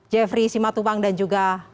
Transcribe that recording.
jeffrey simatupang dan juga